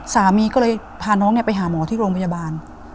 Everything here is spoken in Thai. สามีก็เลยพาน้องไปหาหมอที่โรงพยาบาล